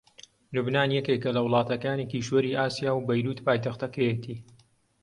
لوبنان یەکێکە لە وڵاتەکانی کیشوەری ئاسیا و بەیرووت پایتەختەکەیەتی